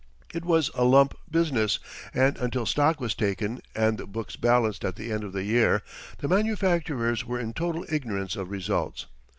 It was a lump business, and until stock was taken and the books balanced at the end of the year, the manufacturers were in total ignorance of results.